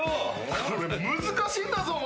これ難しいんだぞお前。